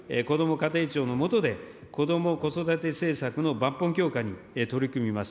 家庭庁のもとで、こども・子育て政策の抜本強化に取り組みます。